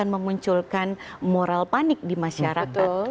memunculkan moral panik di masyarakat